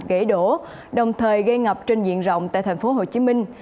gãy đổ đồng thời gây ngập trên diện rộng tại thành phố hồ chí minh